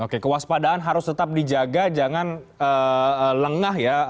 oke kewaspadaan harus tetap dijaga jangan lengah ya